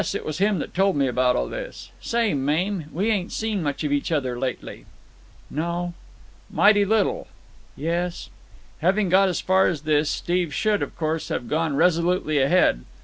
It was him that told me about all this. Say, Mame, we ain't seen much of each other lately." "No." "Mighty little." "Yes." Having got as far as this, Steve should, of course, have gone resolutely ahead.